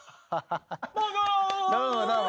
どうもどうも。